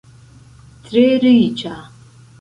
Tre riĉa.